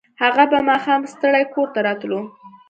هغه به ماښام ستړی کور ته راتلو